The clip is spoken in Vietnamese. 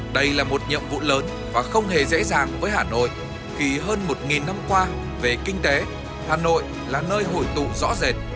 đây là một nhiệm vụ lớn và không hề dễ dàng với hà nội khi hơn một năm qua về kinh tế hà nội là nơi hội tụ rõ rệt